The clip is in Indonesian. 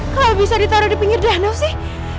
kala bisa ditaro di pinggir danaus sih